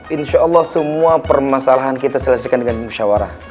insyaallah semua permasalahan kita selesaikan dengan musyawarah